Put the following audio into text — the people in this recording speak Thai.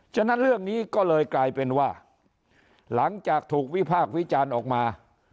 ฉะนั้นเรื่องนี้ก็เลยกลายเป็นว่าหลังจากถูกวิพากษ์วิจารณ์ออกมา